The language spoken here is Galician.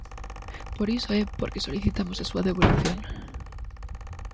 Por iso é porque solicitamos a súa devolución.